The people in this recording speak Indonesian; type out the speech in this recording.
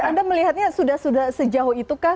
anda melihatnya sudah sejauh itu kah